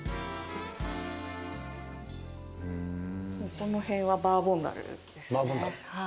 この辺はバーボンだるですね。